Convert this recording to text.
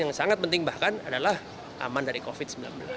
yang sangat penting bahkan adalah aman dari covid sembilan belas